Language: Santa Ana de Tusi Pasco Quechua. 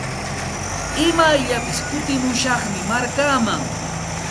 Imayllapis kutimushaqmi markaaman.